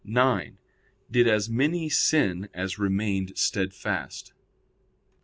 (9) Did as many sin as remained steadfast?